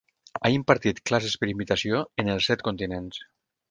Ha impartit classes per invitació en els set continents.